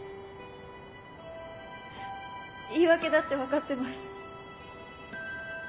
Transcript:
言い訳だって分かってます。